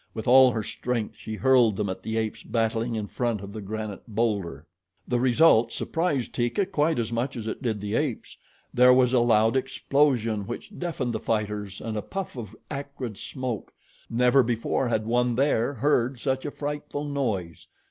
With all her strength she hurled them at the apes battling in front of the granite boulder. The result surprised Teeka quite as much as it did the apes. There was a loud explosion, which deafened the fighters, and a puff of acrid smoke. Never before had one there heard such a frightful noise.